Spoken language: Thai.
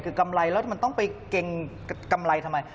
คือกำไรแล้วมันต้องไปเกรงกำไรทำไม